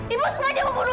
ibu sengaja membunuh